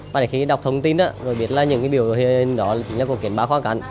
và khi đọc thông tin rồi biết những biểu hiện đó là kiến bạc khoang cản